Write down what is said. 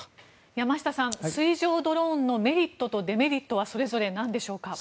山下さん、水上ドローンのメリットとデメリットはそれぞれなんでしょうか？